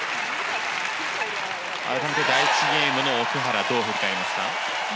改めて、第１ゲームの奥原どう振り返りますか？